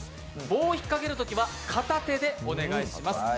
棒を引っかけるときは片手でお願いします。